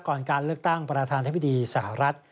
ก่อนการเลือกตั้งประธานทศพิธีสหรัฐ